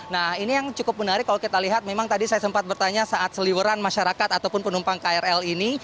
nah ini yang cukup menarik kalau kita lihat memang tadi saya sempat bertanya saat seliweran masyarakat ataupun penumpang krl ini